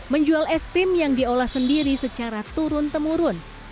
menjual es krim yang diolah sendiri secara turun temurun